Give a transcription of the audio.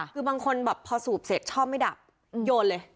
คือบางคนแบบพอสูบเสร็จชอบไม่ดับโยนเลย